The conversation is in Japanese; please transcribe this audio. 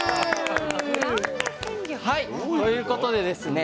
はいということでですね